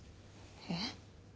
えっ？